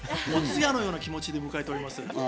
お通夜のような気持ちで迎えております。